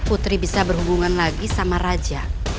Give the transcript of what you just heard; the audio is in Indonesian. putri bisa berhubungan lagi sama raja